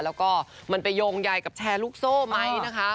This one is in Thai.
แล้วก็มันไปโยงใยกับแชร์ลูกโซ่ไหมนะคะ